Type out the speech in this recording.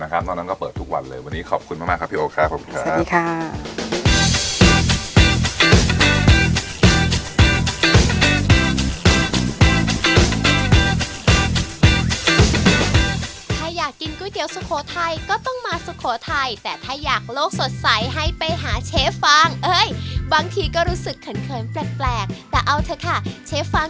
แล้วเปิดทุกวันเดือนก็เปิดทุกวัน